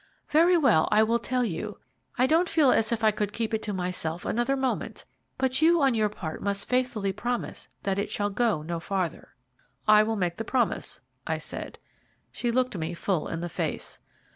"Very well, I will tell you. I don't feel as if I could keep it to myself another moment. But you on your part must faithfully promise that it shall go no farther." "I will make the promise," I said. She looked me full in the face.